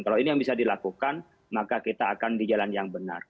kalau ini yang bisa dilakukan maka kita akan di jalan yang benar